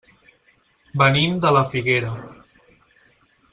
Venim de la Figuera.